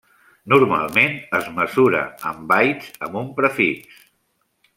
Normalment es mesura en bytes amb un prefix.